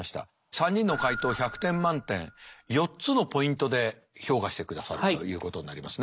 ３人の解答１００点満点４つのポイントで評価してくださるということになりますね。